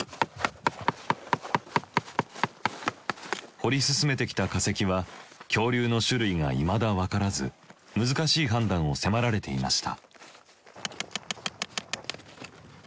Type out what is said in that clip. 掘り進めてきた化石は恐竜の種類がいまだ分からず難しい判断を迫られていました。